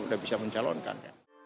udah bisa mencalonkan